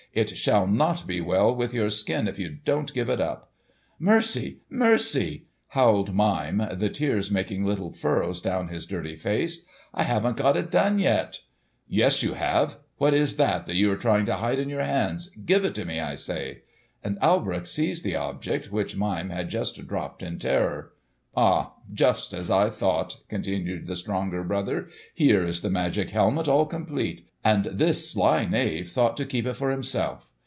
"It shall not be well with your skin if you don't give it up." "Mercy, mercy!" howled Mime, the tears making little furrows down his dirty face. "I haven't got it done yet." "Yes, you have! What is that you are trying to hide in your hands? Give it to me, I say!" And Alberich seized the object which Mime had just dropped in terror. "Ah! just as I thought!" continued the stronger brother. "Here is the magic helmet all complete; and this sly knave thought to keep it for himself.